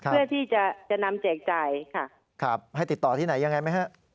เพื่อที่จะจะนำแจกจ่ายค่ะครับให้ติดต่อที่ไหนยังไงไหมฮะ